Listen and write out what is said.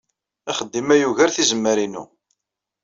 Axeddim-a yugar tizemmar-inu.